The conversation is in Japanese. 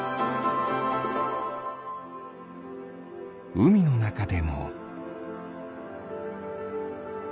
うみのなかでも。